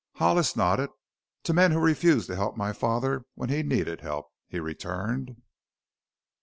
Hollis nodded. "To men who refused to help my father when he needed help," he returned.